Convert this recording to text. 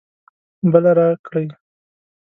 بله راکړئ